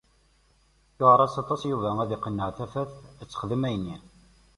Iwɛeṛ-as aṭas i Yuba ad iqenneɛ Tafat ad texdem ayenni.